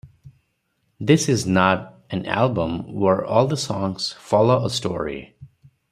This is not an album where all the songs follow a story.